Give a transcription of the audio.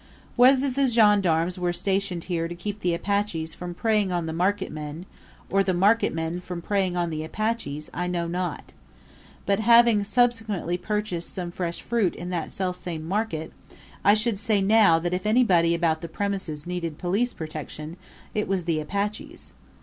Whether the gendarmes were stationed here to keep the Apaches from preying on the marketmen or the marketmen from preying on the Apaches I know not; but having subsequently purchased some fresh fruit in that selfsame market I should say now that if anybody about the premises needed police protection it was the Apaches.